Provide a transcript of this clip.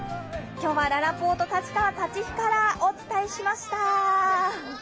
今日はららぽーと立川立飛からお伝えしました。